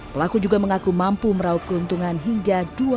pelaku juga mengaku mampu meraup keuntungan hingga dua ratus juta rupiah